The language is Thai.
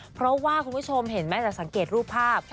เพราะว่าคุณผู้ชมเห็นไหมแต่สังเกตรูปภาพ